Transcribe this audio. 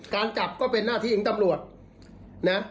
การจับก็เป็นหน้าที่ของตำรวจนะ